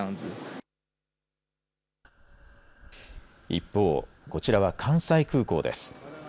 一方、こちらは関西空港です。